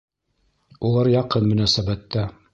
Улар яҡын мөнәсәбәттә